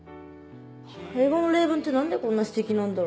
英語の例文って何でこんな詩的なんだろうね。